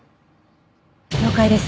了解です。